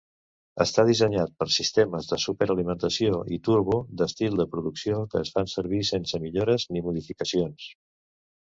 Està dissenyat per sistemes de superalimentació i turbo d'estil de producció que es fan servir sense millores ni modificacions.